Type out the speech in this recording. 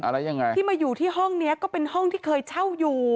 ที่มาอยู่ที่ห้องนี้ก็เป็นห้องที่เคยเช่าอยู่